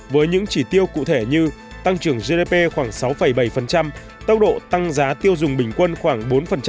với những chỉ tiêu cụ thể như tăng trưởng gdp khoảng sáu bảy tốc độ tăng giá tiêu dùng bình quân khoảng bốn